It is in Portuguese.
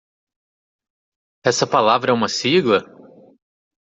Essa palavra é uma sigla?